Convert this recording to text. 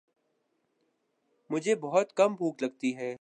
مجھے بہت کم بھوک لگتی ہے